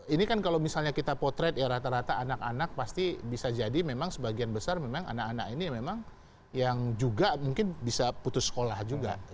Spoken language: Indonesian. ini kan kalau misalnya kita potret ya rata rata anak anak pasti bisa jadi memang sebagian besar memang anak anak ini memang yang juga mungkin bisa putus sekolah juga